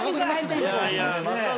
いやいや。